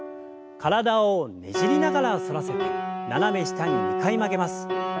体をねじりながら反らせて斜め下に２回曲げます。